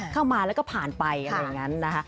เข้ามาแล้วก็ผ่านไปอะไรอย่างนั้นนะคะ